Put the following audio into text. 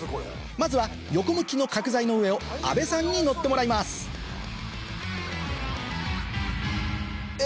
まずは横向きの角材の上を阿部さんに乗ってもらいますえ！